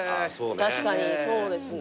確かにそうですね。